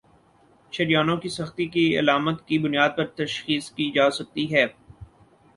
شریانوں کی سختی کی علامات کی بنیاد پر تشخیص کی جاسکتی ہے